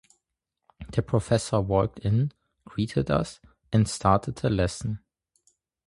The professor walked in, greeted us, and started the lesson.